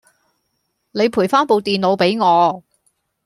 你陪返部電腦畀我